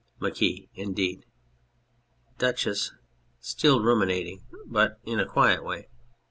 MARQUIS. Indeed ? DUCHESS (still ruminating, but in a quiet way}.